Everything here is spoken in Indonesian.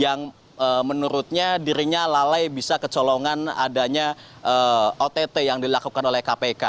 yang menurutnya dirinya lalai bisa kecolongan adanya ott yang dilakukan oleh kpk